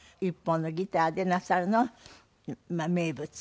１本のギターでなさるのを名物。